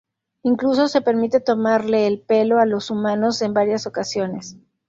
Incluso se permite tomarle el pelo a los humanos en varias ocasiones.